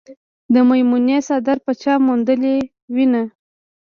د میمونې څادر به چا موندلې وينه